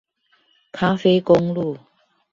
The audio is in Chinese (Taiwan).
咖啡公路